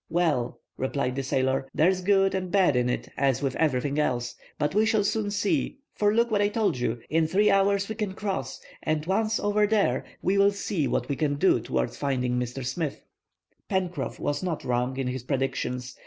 "Well," replied the sailor, "there's good and bad in it, as with everything else. But we shall soon see; for look; what I told you. In three hours we can cross, and once over there, we will see what we can do towards finding Mr. Smith." Pencroff was not wrong in his predictions.